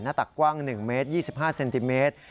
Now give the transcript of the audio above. หน้าตะกว้าง๑เมตร๒๕เซนติเมตร